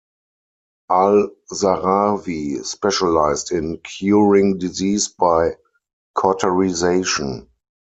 Al-Zahrawi specialized in curing disease by cauterization.